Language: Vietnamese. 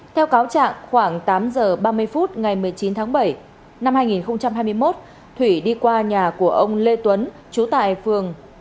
theo cáo trạng khoảng tám h ba mươi phút ngày một mươi chín tháng bảy năm hai nghìn hai mươi một thủy đi qua nhà của ông lê tuấn